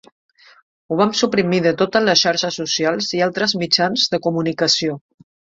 Ho vam suprimir de totes les xarxes socials i altres mitjans de comunicació.